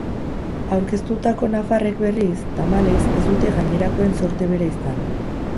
Aurkeztutako nafarrek, berriz, tamalez, ez dute gainerakoen zorte bera izan.